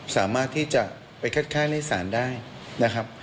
สามารถที่จะไปคัดค้านในศาลได้นะครับ